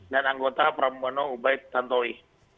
dan anggota pramubano ubaid tantowi